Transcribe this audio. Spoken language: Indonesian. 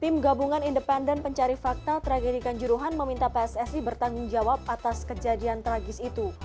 tim gabungan independen pencari fakta tragedi kanjuruhan meminta pssi bertanggung jawab atas kejadian tragis itu